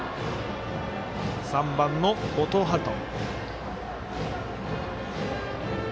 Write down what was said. ３番の後藤陽人。